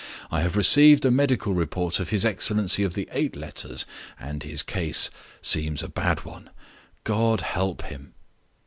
I have received a medical report of his excellency of the eight letters, and his case seems a bad one. God help him!"